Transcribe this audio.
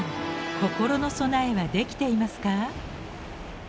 心の備えはできていますか？